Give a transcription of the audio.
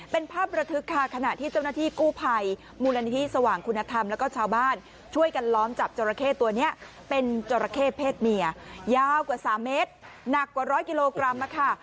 เป็นภาพระทึกค่ะขณะที่เจ้าหน้าที่กู้ภัยมูลนิธิสว่างคุณธรรมแล้วก็ชาวบ้านช่วยกันล้อมจับจราเข้ตัวนี้เป็นจราเข้เพศเมียยาวกว่า๓เมตรหนักกว่าร้อยกิโลกรัมค่ะ